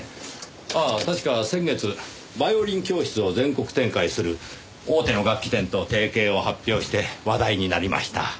ああ確か先月バイオリン教室を全国展開する大手の楽器店と提携を発表して話題になりました。